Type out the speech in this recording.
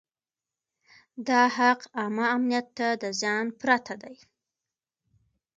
دا حق عامه امنیت ته د زیان پرته دی.